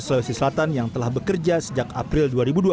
sulawesi selatan yang telah bekerja sejak april dua ribu dua puluh